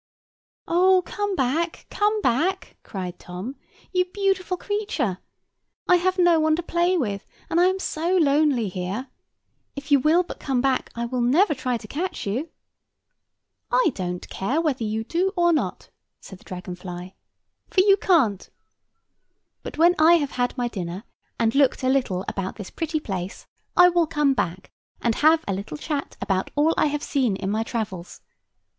"Oh! come back, come back," cried Tom, "you beautiful creature. I have no one to play with, and I am so lonely here. If you will but come back I will never try to catch you." "I don't care whether you do or not," said the dragon fly; "for you can't. But when I have had my dinner, and looked a little about this pretty place, I will come back, and have a little chat about all I have seen in my travels.